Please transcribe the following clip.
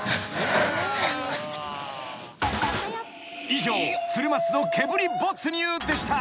［以上鶴松の毛振り没入でした］